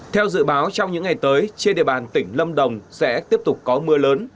theo dự báo trong những ngày tới trên địa bàn tỉnh lâm đồng sẽ tiếp tục có mưa lớn